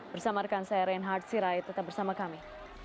bersama rekan saya reinhard sirait tetap bersama kami